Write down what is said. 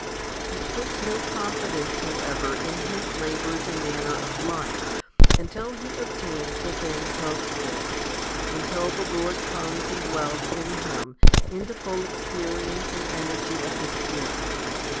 He puts no confidence, 1 however, in his labours and manner of life, until he obtains the things hoped for, until the Lord comes and dwells in him in the full experience and energy of the Spirit.